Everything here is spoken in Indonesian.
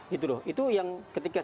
gitu loh itu yang ketika